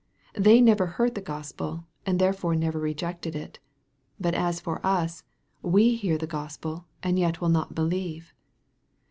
They never heard the Gospel, and therefore never rejected it. But as for us, we hear the Gospel, and yet will not believe.